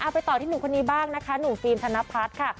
ไปต่อที่หนูคนนี้บ้างหนูฟิล์มถนพัฒน์ค่ะ